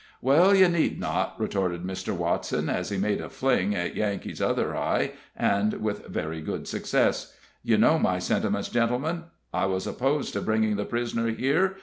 "Well, you need not," retorted Mr. Watson, as he made a fling at Yankee's other eye, and with very good success. "You know my sentiments, gentlemen. I was opposed to bringing the prisoner here.